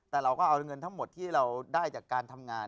แต่เราก็เอาเงินทั้งหมดที่เราได้จากการทำงาน